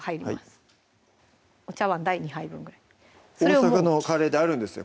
はいお茶碗大２杯分ぐらい大阪のカレーであるんですね？